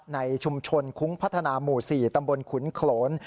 ในชุมชนคุ้งพัฒนาหมู่๔ตำบลขุนโขลน